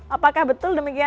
apakah betul demikian